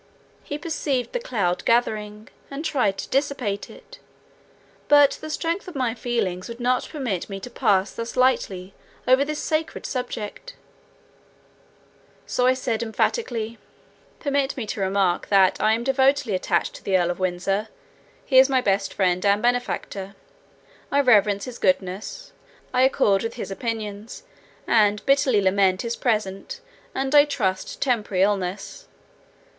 He perceived the cloud gathering, and tried to dissipate it; but the strength of my feelings would not permit me to pass thus lightly over this sacred subject; so I said emphatically, "Permit me to remark, that I am devotedly attached to the Earl of Windsor; he is my best friend and benefactor. I reverence his goodness, I accord with his opinions, and bitterly lament his present, and I trust temporary, illness.